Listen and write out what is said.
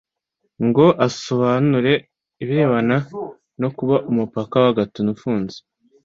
ngo asobanure ibirebana no kuba umupaka wa Gatuna ufunze